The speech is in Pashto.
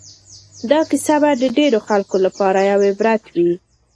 دا کیسه به د ډېرو خلکو لپاره یو عبرت وي.